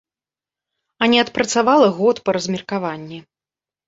А не адпрацавала год па размеркаванні.